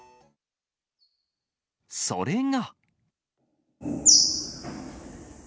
それが。